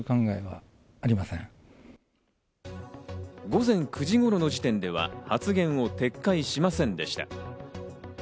午前９時頃の時点では発言を撤回しませんでした。